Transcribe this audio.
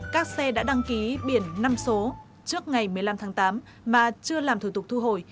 các xe đã đăng ký biển năm số trước ngày một mươi năm tháng tám mà chưa làm thủ tục thu hồi